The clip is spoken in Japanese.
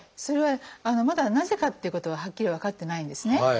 それはまだなぜかっていうことははっきり分かってないんですね。